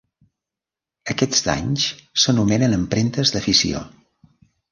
Aquests d'anys s'anomenen empremtes de fissió.